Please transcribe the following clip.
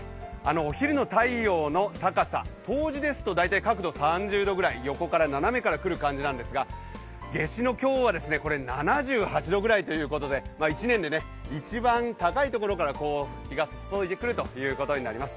お昼の太陽の高さ、冬至ですと、大体確度３０度ぐらい横から斜めから来る感じですが夏至の今日は７８度くらいということで１年で一番高いところから、日が降り注いでくるということになります。